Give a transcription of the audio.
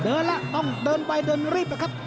เดินละต้องเดินไปดึงเรียบกันครับ